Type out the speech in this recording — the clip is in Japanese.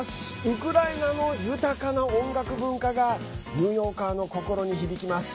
ウクライナの豊かな音楽文化がニューヨーカーの心に響きます。